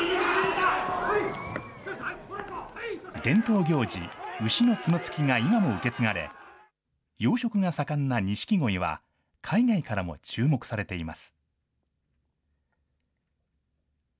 伝統行事、牛の角突きが今も受け継がれ、養殖が盛んなニシキゴイは海外からも注目されています。